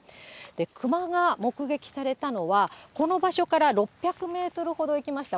クマが目撃されたのは、この場所から６００メートルほど行きました